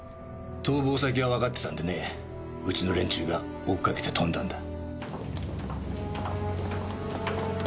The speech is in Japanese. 逃亡先はわかってたんでねうちの連中が追っかけて飛んだんだ。